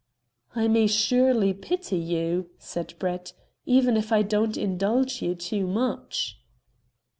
"I may surely pity you," said Brett, "even if I don't indulge you too much."